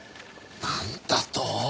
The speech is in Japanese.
なんだと？